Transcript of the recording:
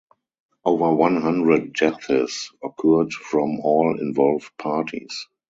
Over one hundred deaths occurred from all involved parties.